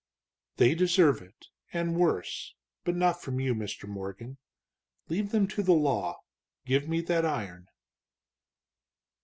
"They deserve it, and worse, but not from you, Mr. Morgan. Leave them to the law give me that iron."